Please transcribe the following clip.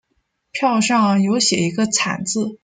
票上有写一个惨字